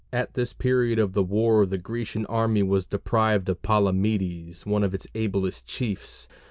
At this period of the war the Grecian army was deprived of Palamedes, one of its ablest chiefs.